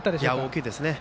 大きいですね。